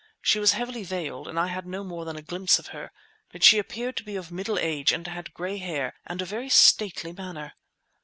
She was heavily veiled and I had no more than a glimpse of her, but she appeared to be of middle age and had gray hair and a very stately manner.